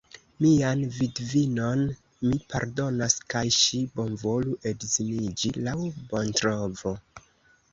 Mian vidvinon mi pardonas, kaj ŝi bonvolu edziniĝi laŭ bontrovo.